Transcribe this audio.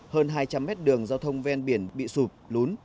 hơn hai trăm linh mét đường giao thông ven biển bị sụp lún